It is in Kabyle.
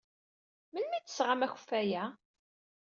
Melmi ay d-tesɣam akeffay-a?